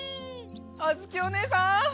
あづきおねえさん！